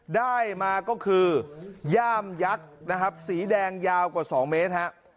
ได้มาก็คือย่ามยักษ์นะครับสีแดงยาวกว่า๒เมตรฮะ